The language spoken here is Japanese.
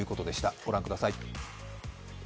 ご覧ください。